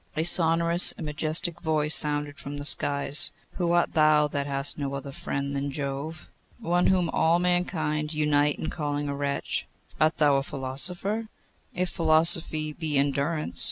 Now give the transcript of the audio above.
A sonorous and majestic voice sounded from the skies: 'Who art thou that hast no other friend than Jove?' 'One whom all mankind unite in calling a wretch.' 'Art thou a philosopher?' 'If philosophy be endurance.